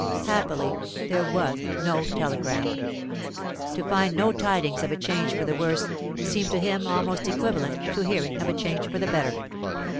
Happily there was no telegram. To find no tidings of a change for the worse seemed to him almost equivalent to hearing of a change for the better.